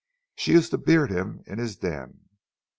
She used to beard him in his den."